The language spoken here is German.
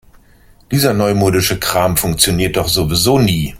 Dieser neumodische Kram funktioniert doch sowieso nie.